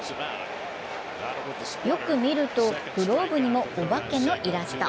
よく見ると、グローブにもお化けのイラスト。